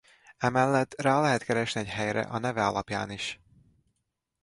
Emellett rá lehet keresni egy helyre a neve alapján is.